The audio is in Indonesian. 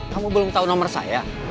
kamu belum tahu nomor saya